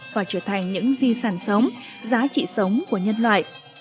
và trở thành những di sản sống giá trị sống của nhân loại